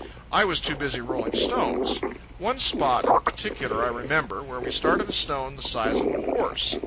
I was too busy rolling stones. One spot in particular I remember, where we started a stone the size of a horse.